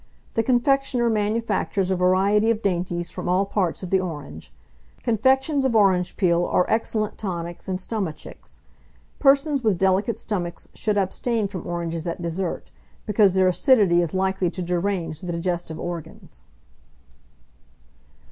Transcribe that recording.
The confectioner manufactures a variety of dainties from all parts of the orange. Confections of orange peel are excellent tonics and stomachics. Persons with delicate stomachs should abstain from oranges at dessert, because their acidity is likely to derange the digestive organs.